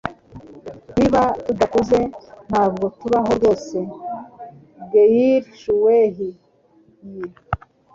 Niba tudakuze, ntabwo tubaho rwose. ”- Gail Sheehy